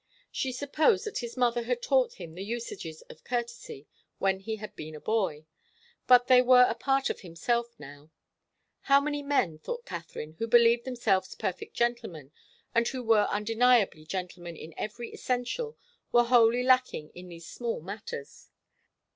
She supposed that his mother had taught him the usages of courtesy when he had been a boy, but they were a part of himself now. How many men, thought Katharine, who believed themselves 'perfect gentlemen,' and who were undeniably gentlemen in every essential, were wholly lacking in these small matters!